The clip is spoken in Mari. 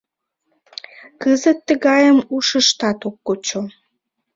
Кызыт тыгайым ушыштат ок кучо...